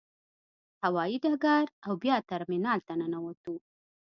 هوايي ډګر او بیا ترمینال ته ننوتو.